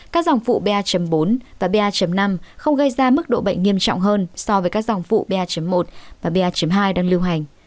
các dòng phụ ba bốn và ba năm không gây ra mức độ bệnh nghiêm trọng hơn so với các dòng phụ ba một và ba hai đang lưu hành